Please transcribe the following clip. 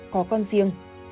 có con riêng